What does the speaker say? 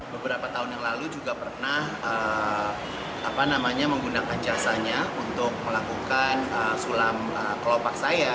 beberapa tahun yang lalu juga pernah menggunakan jasanya untuk melakukan sulam kelopak saya